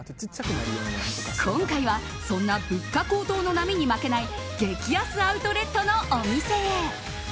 今回はそんな物価高騰の波に負けない激安アウトレットのお店へ。